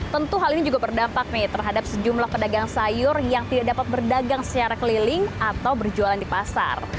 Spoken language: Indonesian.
tentu hal ini juga berdampak nih terhadap sejumlah pedagang sayur yang tidak dapat berdagang secara keliling atau berjualan di pasar